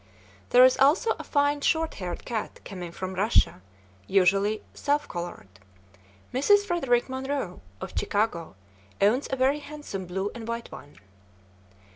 There is also a fine short haired cat coming from Russia, usually self colored. Mrs. Frederick Monroe, of Chicago, owns a very handsome blue and white one.